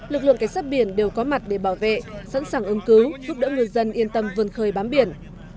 lực lượng cảnh sát biển đều có mặt để bảo vệ sẵn sàng ứng cứu giúp đỡ ngư dân yên tâm vươn khơi bám biển